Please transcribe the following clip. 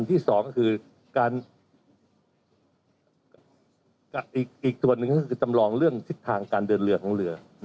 ๒อีกตัวหนึ่งคือจำลองเรื่องการทริททางเดินเรือของเรือ